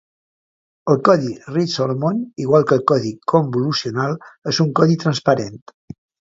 El codi Reed-Solomon, igual que el codi convolucional, és un codi transparent.